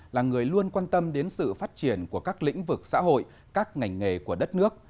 là người luôn quan tâm đến sự phát triển của các lĩnh vực xã hội các ngành nghề của đất nước